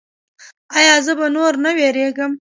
ایا زه به نور نه ویریږم؟